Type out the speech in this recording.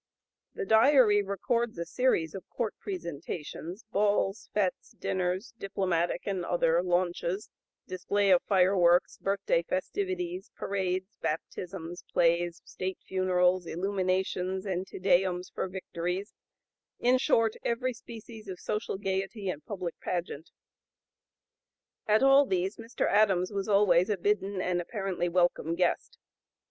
The Diary records a series of court presentations, balls, fêtes, dinners, diplomatic and other, launches, displays of fireworks, birthday festivities, parades, baptisms, plays, state funerals, illuminations, and Te Deums for victories; in short, every species of social gayety and public pageant. At all these Mr. Adams was always a bidden and apparently a welcome guest.